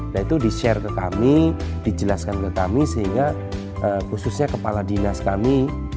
nah itu di share ke kami dijelaskan ke kami sehingga khususnya kepala dinas kami